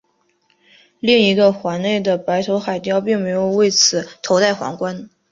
另一个环内的白头海雕并没有为此头戴皇冠。